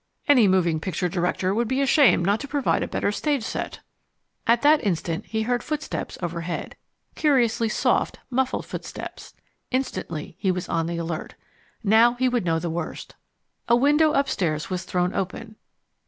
"Any moving picture director would be ashamed not to provide a better stage set." At that instant he heard footsteps overhead. Curiously soft, muffled footsteps. Instantly he was on the alert. Now he would know the worst. A window upstairs was thrown open.